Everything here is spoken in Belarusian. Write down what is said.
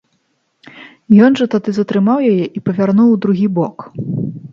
Ён жа тады затрымаў яе і павярнуў у другі бок.